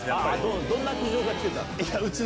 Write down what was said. どんな苦情がきてたの？